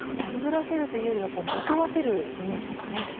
くぐらせるというよりはまとわせるイメージですね。